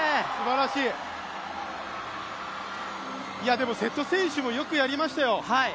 でも、瀬戸選手もよくやりましたよ